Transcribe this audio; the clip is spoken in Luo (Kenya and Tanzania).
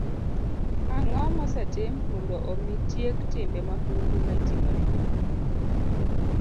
Ang'o mosetim mondo omi tiek timbe mahundu ma itimo ne mon?